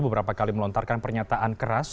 beberapa kali melontarkan pernyataan keras